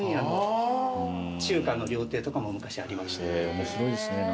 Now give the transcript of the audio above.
面白いですね。